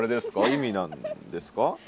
意味なんですか？